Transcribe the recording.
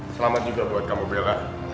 selamat juga buat kamu bella